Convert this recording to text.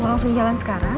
mau langsung jalan sekarang